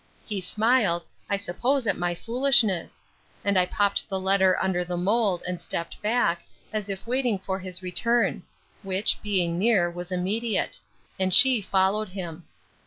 He smiled, I suppose at my foolishness; and I popped the letter under the mould, and stepped back, as if waiting for his return; which, being near, was immediate; and she followed him.